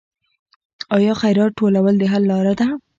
آیا خیرات ټولول د حل لاره ده؟